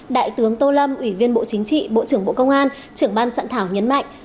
đại tướng tô lâm ủy viên bộ chính trị bộ trưởng bộ công an trưởng ban soạn thảo nhấn mạnh